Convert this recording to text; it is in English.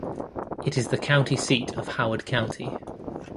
It is the county seat of Howard County.